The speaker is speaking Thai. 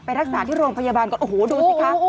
รักษาที่โรงพยาบาลก่อนโอ้โหดูสิคะ